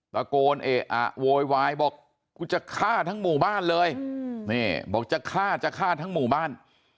ตะโกนเอะอะโวยวายบอกกูจะฆ่าทั้งหมู่บ้านเลยนี่บอกจะฆ่าจะฆ่าทั้งหมู่บ้าน